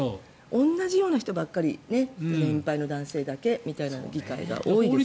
同じような人ばかり年配の男性だけみたいな議会が多いですからね。